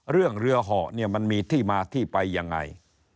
เรื่องเรือห่อมันมีที่มาที่ไปยังไง